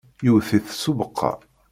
Yewwet-it s ubeqqa.